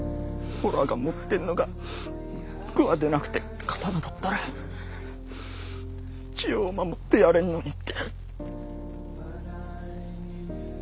おらが持ってんのがクワでなくて刀だったらチヨを守ってやれんのにって。